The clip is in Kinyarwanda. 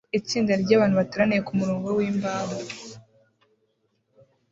Itsinda ryabantu bateraniye kumurongo wimbaho